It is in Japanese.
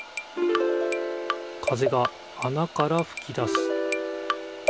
風があなからふき出す。